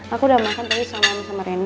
aku udah makan tadi sama reina